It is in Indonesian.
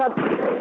saya tidak melihat